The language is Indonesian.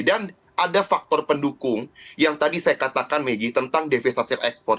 dan ada faktor pendukung yang tadi saya katakan meggy tentang devisasi ekspor